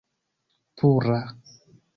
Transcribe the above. pura